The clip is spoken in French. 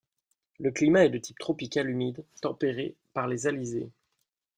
Le climat est de type tropical humide, tempéré par les alizés.